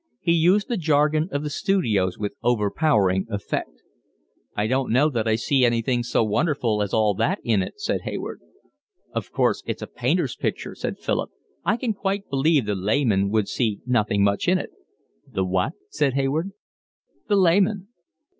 He used the jargon of the studios with overpowering effect. "I don't know that I see anything so wonderful as all that in it," said Hayward. "Of course it's a painter's picture," said Philip. "I can quite believe the layman would see nothing much in it." "The what?" said Hayward. "The layman."